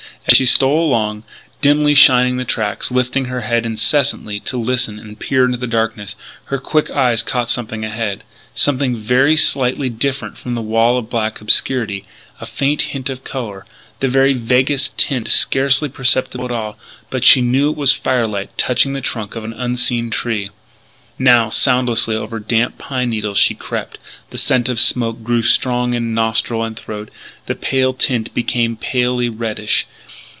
As she stole along, dimly shining the tracks, lifting her head incessantly to listen and peer into the darkness, her quick eye caught something ahead something very slightly different from the wall of black obscurity a vague hint of colour the very vaguest tint scarcely perceptible at all. But she knew it was firelight touching the trunk of an unseen tree. Now, soundlessly over damp pine needles she crept. The scent of smoke grew strong in nostril and throat; the pale tint became palely reddish.